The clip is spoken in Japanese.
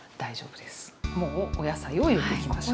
もうお野菜を入れていきましょう。